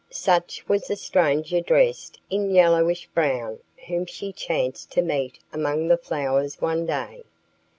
Such was a stranger dressed in yellowish brown whom she chanced to meet among the flowers one day.